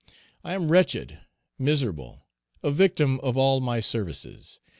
I am wretched, miserable, a victim of all my services.